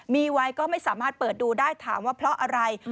มีไว้ก็ไม่สามารถเปิดดูได้ถามว่าเพราะอะไร